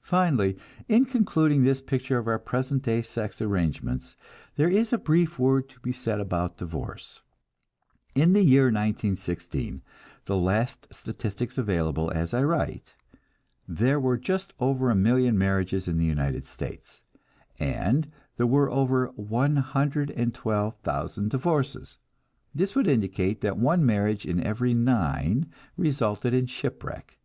Finally, in concluding this picture of our present day sex arrangements, there is a brief word to be said about divorce. In the year 1916, the last statistics available as I write, there were just over a million marriages in the United States, and there were over one hundred and twelve thousand divorces. This would indicate that one marriage in every nine resulted in shipwreck.